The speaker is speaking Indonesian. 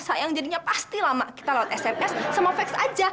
sayang jadinya pasti lama kita lewat sms semua fix aja